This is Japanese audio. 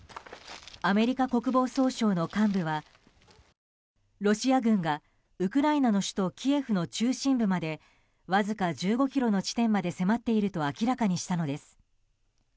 アメリカ国防総省の幹部はロシア軍がウクライナの首都キエフの中心部までわずか１５ｋｍの地点まで迫っていると明らかにしたのです。